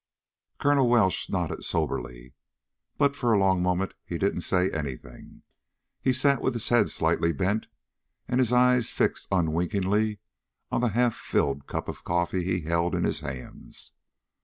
Colonel Welsh nodded soberly, but for a long moment he didn't say anything. He sat with his head slightly bent and his eyes fixed unwinkingly on the half filled cup of coffee he held in his hands.